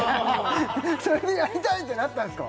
それでやりたいってなったんですか？